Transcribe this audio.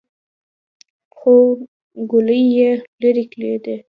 خو ګولۍ يې ليرې لګېدې.